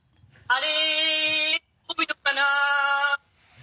あれ。